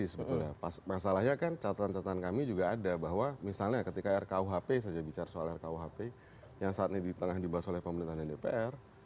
sebetulnya masalahnya kan catatan catatan kami juga ada bahwa misalnya ketika rkuhp saja bicara soal rkuhp yang saat ini tengah dibahas oleh pemerintah dan dpr